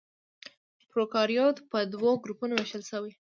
پروکاريوت په دوه ګروپونو وېشل شوي.